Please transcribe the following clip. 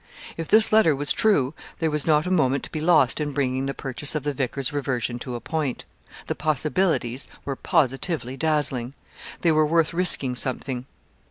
If this letter was true there was not a moment to be lost in bringing the purchase of the vicar's reversion to a point. The possibilities were positively dazzling. They were worth risking something.